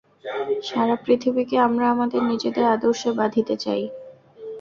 সারা পৃথিবীকে আমরা আমাদের নিজেদের আদর্শে বাঁধিতে চাই।